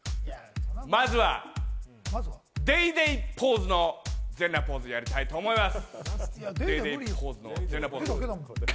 まずは『ＤａｙＤａｙ．』ポーズの全裸ポーズをやりたいと思います。